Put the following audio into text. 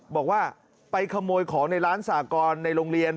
บอกว่าไปขโมยของในร้านสากรในโรงเรียน